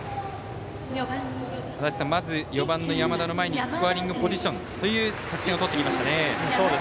足達さん、まず４番の山田の前にスコアリングポジションという作戦をとってきましたね。